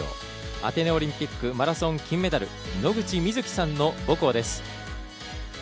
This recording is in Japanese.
アテネオリンピックマラソン金メダル野口みずきさんの母校です。